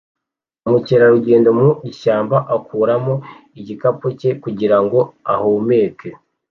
Umukerarugendo mu ishyamba akuramo igikapu cye kugira ngo ahumeke